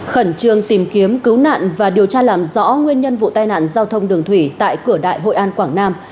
khẩn trương tìm kiếm cứu nạn và điều tra làm rõ nguyên nhân vụ tai nạn giao thông đường thủy tại cửa đại hội an quảng nam